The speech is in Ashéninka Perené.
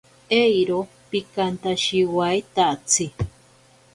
Eiro pikantashiwaitatsi.